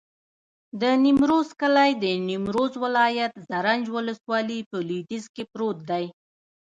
د نیمروز کلی د نیمروز ولایت، زرنج ولسوالي په لویدیځ کې پروت دی.